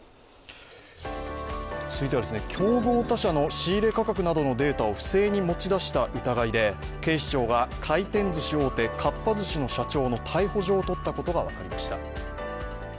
続いては、競合他社の仕入価格などのデータを不正に持ち出した疑いで警視庁が回転ずし大手かっぱ寿司の社長の逮捕状を取ったことが分かりました。